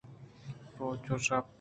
روچ ءُ شپ